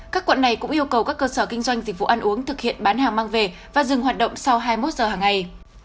các quận này cũng yêu cầu các cơ sở kinh doanh dịch vụ ăn uống thực hiện bán hàng mang về và dừng hoạt động sau hai mươi một giờ hàng ngày